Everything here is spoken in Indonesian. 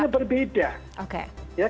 karena umumannya berbeda